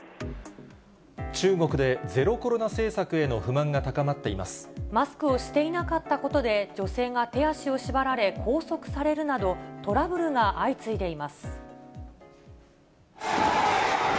中国でゼロコロナ政策への不マスクをしていなかったことで、女性が手足を縛られ、拘束されるなど、トラブルが相次いでいます。